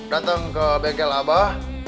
datang ke bengkel abah